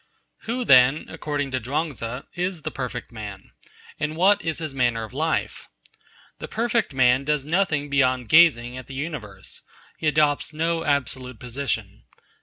Who, then, according to Chuang Tzu, is the perfect man? And what is his manner of life? The perfect man does nothing beyond gazing at the universe. He adopts no absolute position.